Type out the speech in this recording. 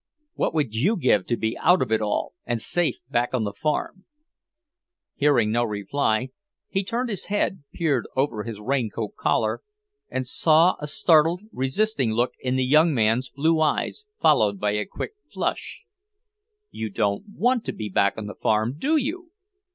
What would you give to be out of it all, and safe back on the farm?" Hearing no reply, he turned his head, peered over his raincoat collar, and saw a startled, resisting look in the young man's blue eyes, followed by a quick flush. "You don't want to be back on the farm, do you!